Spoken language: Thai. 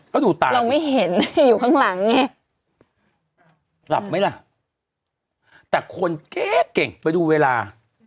ก็ดูตาเราไม่เห็นอยู่ข้างหลังไงหลับไหมล่ะแต่คนเก๊เก่งไปดูเวลา